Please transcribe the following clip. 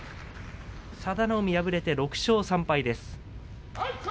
佐田の海、敗れて６勝３敗です。